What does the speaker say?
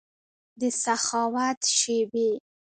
دسخاوت شیبې